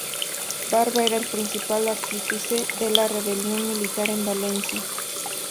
Barba era el principal artífice de la rebelión militar en Valencia.